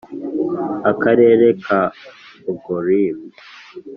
akarere ka angoulême,